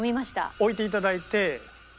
置いていただいて。